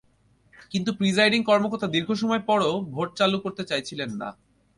কিন্তু প্রিসাইডিং কর্মকর্তা দীর্ঘ সময় পরও ভোট চালু করতে চাইছিলেন না।